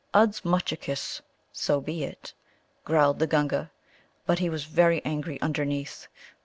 "Udzmutchakiss" ("So be it"), growled the Gunga. But he was very angry underneath.